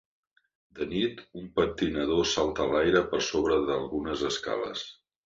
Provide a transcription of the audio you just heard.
De nit, un patinador salta a l'aire per sobre d'algunes escales.